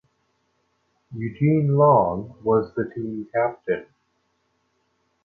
Eugene Long was the team captain.